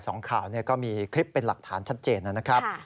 สองข่าวก็มีคลิปเป็นหลักฐานชัดเจน